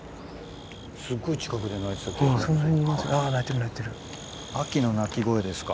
すごい近くで鳴いてた。